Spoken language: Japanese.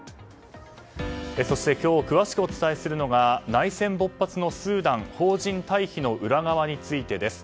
そして今日詳しくお伝えするのが内戦ぼっ発のスーダン邦人退避の裏側についてです。